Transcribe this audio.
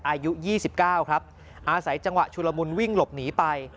อายุ๒๙ครับอาศัยจังหวะชุลมุนวิ่งหลบหนีไป